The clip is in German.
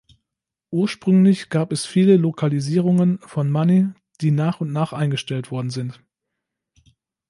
Ursprünglich gab es viele Lokalisierungen von Money, die nach und nach eingestellt worden sind.